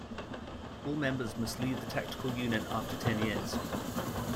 All members must leave the tactical unit after ten years.